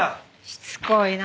しつこいな。